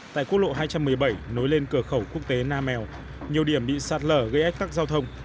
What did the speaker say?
tại quốc lộ hai trăm một mươi bảy nối lên cửa khẩu quốc tế nam mèo nhiều điểm bị sạt lở gây ách tắc giao thông